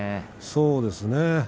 そうですね。